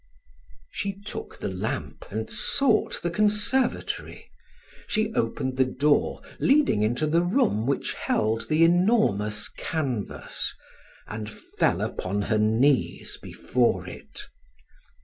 She took the lamp and sought the conservatory; she opened the door leading into the room which held the enormous canvas, and fell upon her knees before it.